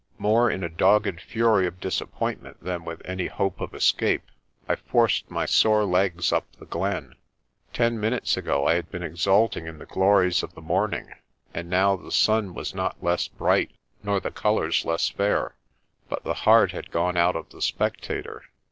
More in a dogged fury of disappointment than with any hope of escape I forced my sore legs up the glen. Ten minutes ago I had been exulting in the glories of the morn ing, and now the sun was not less bright nor the colours less fair, but the heart had gone out of the spectator.